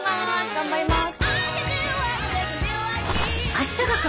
頑張ります。